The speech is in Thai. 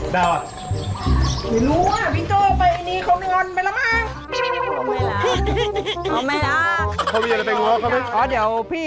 แล้วไม่รักอ้าวพี่